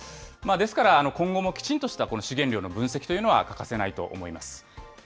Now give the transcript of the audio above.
ですから、今後もきちんとした資源量の分析というのは欠かせないと思います。